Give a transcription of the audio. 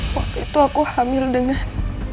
waktu itu aku hamil dengan